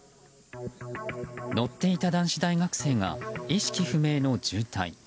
乗っていた男子大学生が意識不明の重体。